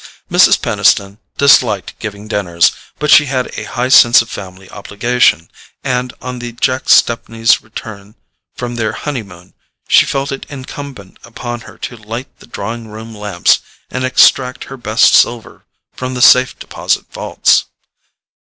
Mrs. Peniston disliked giving dinners, but she had a high sense of family obligation, and on the Jack Stepneys' return from their honeymoon she felt it incumbent upon her to light the drawing room lamps and extract her best silver from the Safe Deposit vaults.